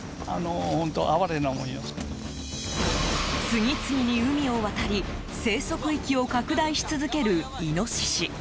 次々に海を渡り生息域を拡大し続けるイノシシ。